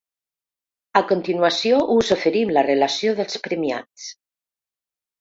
A continuació, us oferim la relació dels premiats.